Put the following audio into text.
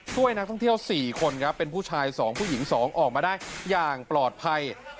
ช่วยนักท่องเที่ยว๔คนครับเป็นผู้ชาย๒ผู้หญิง๒ออกมาได้อย่างปลอดภัย